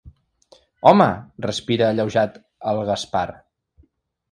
Home —respira alleujat el Gaspar—.